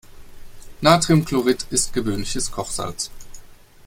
Natriumchlorid ist gewöhnliches Kochsalz.